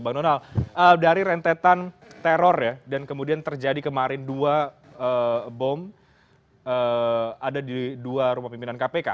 bang donal dari rentetan teror ya dan kemudian terjadi kemarin dua bom ada di dua rumah pimpinan kpk